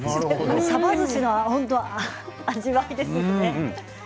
さばずしの味わいですよね。